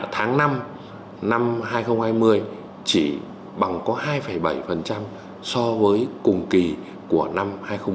tháng năm năm hai nghìn hai mươi chỉ bằng có hai bảy so với cùng kỳ của năm hai nghìn một mươi chín